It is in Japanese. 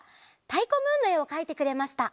「たいこムーン」のえをかいてくれました。